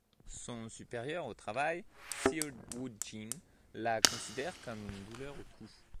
Son supérieur au travail, Seo Woo-jin, la considère comme une douleur au cou.